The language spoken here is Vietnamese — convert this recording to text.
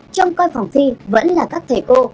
trong coi phòng thi vẫn là các thể cô